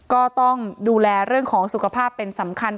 ก็ต้องดูแลเรื่องของสุขภาพเป็นสำคัญ